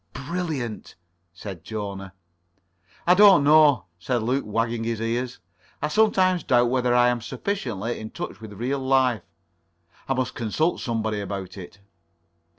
"Brilliant," said Jona. [Pg 35]"I don't know," said Luke, wagging his ears, "I sometimes doubt whether I am sufficiently in touch with real life. I must consult somebody about it."